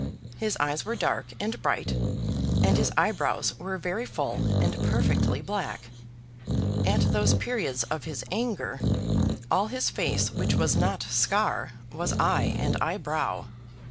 His eyes were dark and bright, and his eyebrows were very full, and perfectly black. At those periods of his anger, all his face which was not scar, was eye and eyebrow.